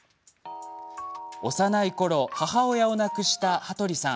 幼いころ母親を亡くした羽鳥さん。